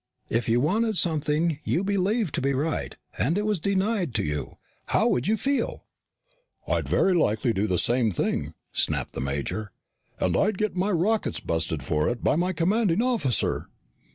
"If you wanted something you believed to be right, and it was denied you, how would you feel?" "I'd very likely do the same thing," snapped the major. "And I'd get my rockets busted for it by my commanding officer!"